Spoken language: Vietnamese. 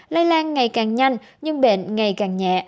lây lan ngày càng nhanh nhưng bệnh ngày càng nhẹ